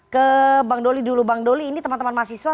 ke bang doli dulu bang doli ini teman teman mahasiswa